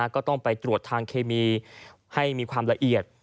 ก็ต้องไปตรวจทางเคมีให้มีความละเอียด